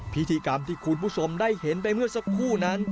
พิธีกรรมที่คุณผู้ชมได้เห็นไปเมื่อสักครู่นั้น